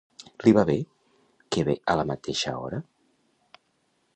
Li va bé, que ve a la mateixa hora?